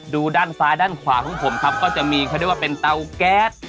ดูด้านซ้ายด้านขวาของผมครับก็จะมีเขาเรียกว่าเป็นเตาแก๊ส